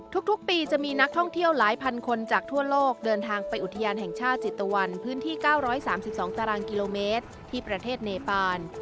ทุกปีจะมีนักท่องเที่ยวหลายพันคนจากทั่วโลกเดินทางไปอุทยานแห่งชาติจิตตะวันพื้นที่๙๓๒ตารางกิโลเมตรที่ประเทศเนปาน